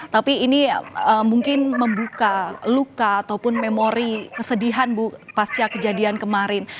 tapi ini mungkin membuka luka ataupun memori kesedihan bu pasca kejadian kemarin